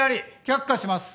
却下します。